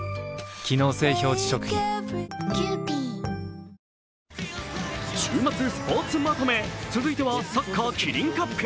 機能性表示食品週末スポーツまとめ続いてはサッカーキリンカップ。